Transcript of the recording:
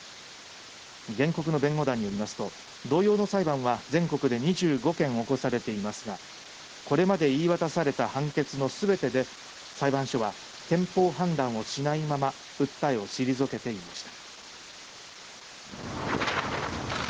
原告の弁護団によりますと同様の裁判は全国で２５件起こされていますがこれまで言い渡された判決のすべてで裁判所は、憲法判断をしないまま訴えを退けていました。